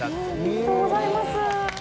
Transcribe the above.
おめでとうございます。